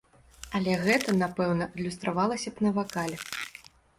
Але гэта напэўна адлюстравалася б на вакале.